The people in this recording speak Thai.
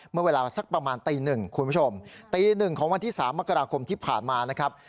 เมื่อเวลาสักประมาณตีหนึ่งคุณผู้ชมตีหนึ่งของวันที่๓มกราคมที่ผ่านมานะครับ